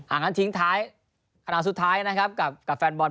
อ๋ออ่างั้นทิ้งท้ายขณะสุดท้ายนะครับกับแฟนบอล